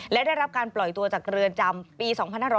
และได้รับการปล่อยตัวจากเรือนจำปี๒๕๖๐